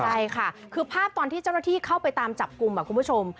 ใช่ค่ะคือภาพตอนที่เจ้าหน้าที่เข้าไปตามจับกลุ่มคุณผู้ชม